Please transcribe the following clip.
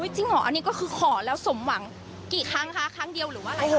จริงเหรออันนี้ก็คือขอแล้วสมหวังกี่ครั้งคะครั้งเดียวหรือว่าอะไรคะ